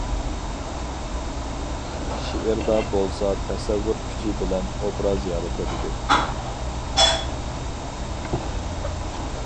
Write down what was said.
شېئىردا بولسا تەسەۋۋۇر كۈچى بىلەن ئوبراز يارىتىلىدۇ.